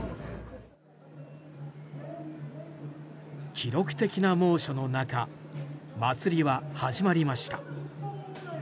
記録的な猛暑の中祭りは始まりました。